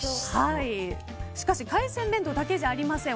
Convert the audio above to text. しかし海鮮弁当だけじゃありません。